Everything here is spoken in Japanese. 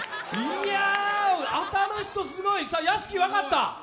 いや、当たる人、すごい、屋敷、分かった？